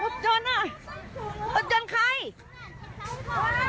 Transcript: รักษณะรักษณะของใครโอ้ย